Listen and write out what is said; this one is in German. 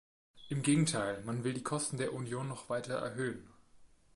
Im Gegenteil, man will die Kosten der Union noch weiter erhöhen.